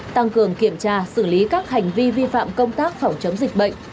tăng cường kiểm tra xử lý các hành vi vi phạm công tác phòng chống dịch bệnh